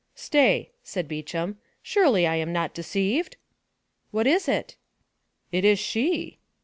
"Stay," said Beauchamp, "surely I am not deceived." "What is it?" "It is she!"